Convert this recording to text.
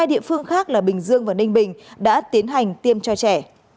hai địa phương khác là bình dương và ninh bình đã tiến hành tiêm cho trẻ